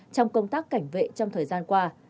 trong công tác cảnh vệ trong thời gian qua